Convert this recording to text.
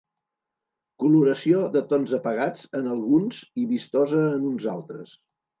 Coloració de tons apagats en alguns i vistosa en uns altres.